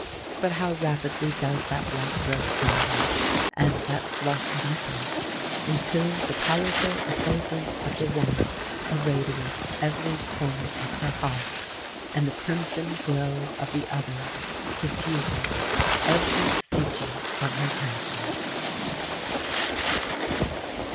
But how rapidly does that light grow stronger, and that flush deeper,—until the powerful effulgence of the one irradiates every corner of her heart, and the crimson glow of the other suffuses every feature of her countenance.